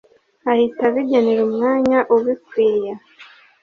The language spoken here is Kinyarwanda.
ahita abigenera umwanya ubikwiye